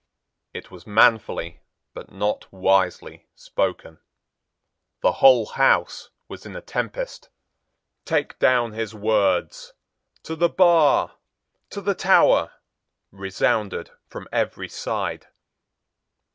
It was manfully, but not wisely, spoken. The whole House was in a tempest. "Take down his words," "To the bar," "To the Tower," resounded from every side.